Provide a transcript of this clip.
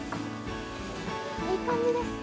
いい感じです。